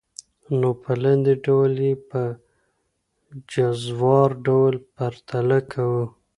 نو په لاندي ډول ئي په جزوار ډول پرتله كوو .